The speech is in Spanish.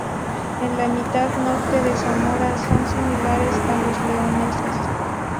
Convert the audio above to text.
En la mitad norte de Zamora son similares a los leoneses.